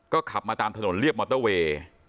ก็ขับมาตามถนนเรียบมอเตอร์เวย์